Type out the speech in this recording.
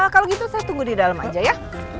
kalau gitu saya tunggu di dalam aja ya